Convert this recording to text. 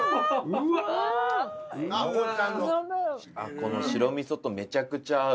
この白味噌とめちゃくちゃ合う。